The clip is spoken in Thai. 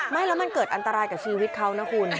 ไม่แล้วมันเกิดอันตรายกับชีวิตเขานะคุณ